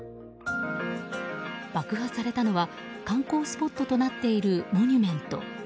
爆破されたのは観光スポットとなっているモニュメント。